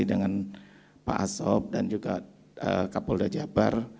dengan pak asop dan juga kapol dajabar